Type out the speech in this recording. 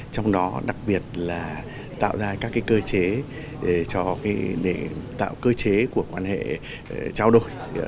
trong đó đặc biệt là tạo ra các cơ chế để tạo cơ chế của quan hệ trao đổi